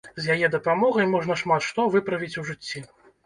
З яе дапамогай можна шмат што выправіць у жыцці.